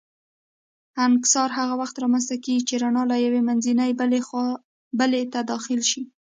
انکسار هغه وخت رامنځته کېږي چې رڼا له یوې منځنۍ بلې ته داخله شي.